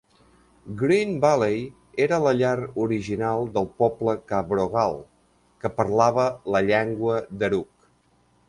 Green Valley era la llar original del poble Cabrogal, que parlava la llengua Darug.